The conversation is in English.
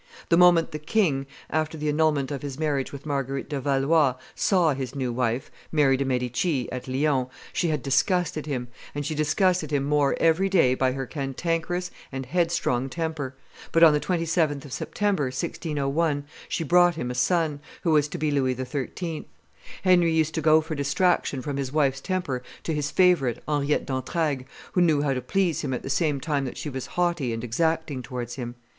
The moment the king, after the annulment of his marriage with Marguerite de Valois, saw his new wife, Mary de' Medici, at Lyons, she had disgusted him, and she disgusted him more every day by her cantankerous and headstrong temper; but on the 27th of September, 1601, she brought him a son, who was to be Louis XIII. Henry used to go for distraction from his wife's temper to his favorite, Henriette d'Entraigues, who knew how to please him at the same time that she was haughty and exacting towards him.